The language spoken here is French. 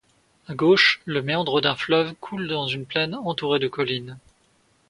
À gauche, le méandre d'un fleuve coule dans une plaine entourée de collines.